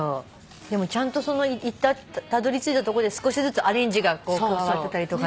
でもちゃんとそのたどり着いたとこで少しずつアレンジが加わってたりとかねいいね。